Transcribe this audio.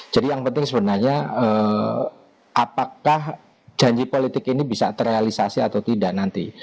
jadi yang penting sebenarnya apakah janji politik ini bisa terrealisasi atau tidak nanti